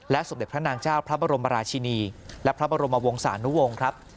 สมเด็จพระนางเจ้าพระบรมราชินีและพระบรมวงศานุวงศ์ครับ